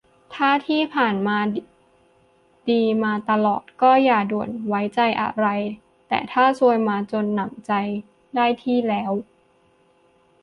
ถ้าที่ผ่านมาดีมาตลอดก็อย่าด่วนไว้ใจอะไร แต่ถ้าซวยมาจนหนำใจได้ที่แล้ว